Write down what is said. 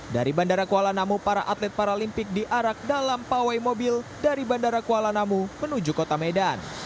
dari bandara kuala namu para atlet paralimpik diarak dalam pawai mobil dari bandara kuala namu menuju kota medan